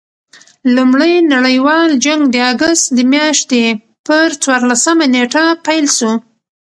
لومړي نړۍوال جنګ د اګسټ د میاشتي پر څوارلسمه نېټه پيل سو.